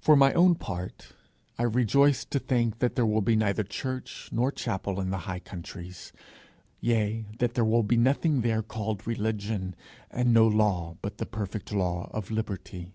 For my own part, I rejoice to think that there will be neither church nor chapel in the high countries; yea, that there will be nothing there called religion, and no law but the perfect law of liberty.